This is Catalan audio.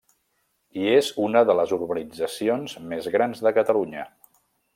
I és una de les urbanitzacions més grans de Catalunya.